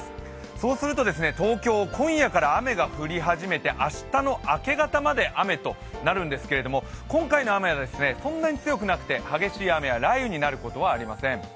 そうすると東京、今夜から雨が降り始めて明日の明け方まで雨となるんですけれども、今回の雨はそんなに強くなくて激しい雨や雷雨になることはありません。